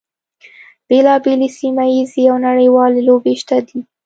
بیلا بېلې سیمه ییزې او نړیوالې لوبې شته دي.